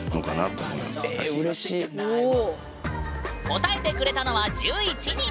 答えてくれたのは１１人！